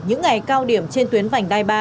những ngày cao điểm trên tuyến vành đai ba